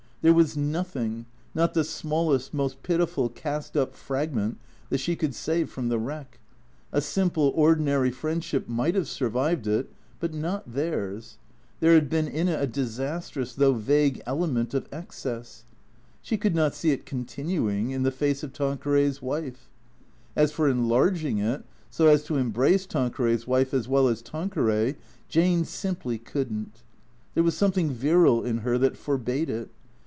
There was nothing, not the smallest, most pitiful, cast up fragment that she could save from the wreck. A simple, ordinary friend ship might have survived it, but not theirs. There had been in it a disastrous though vague element of excess. She could not see it continuing in the face of Tanqueray's vdfe. As for enlarging it so as to embrace Tanqueray's wife as well as Tan queray, Jane simply could n't. There was something virile in her that forbade it.